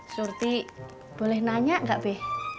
surti boleh nanya gak be